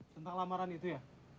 tentang lamaran itu ya